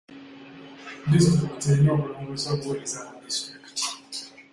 Disitulikiti erina okulongoosa obuweereza ku disitulikiti.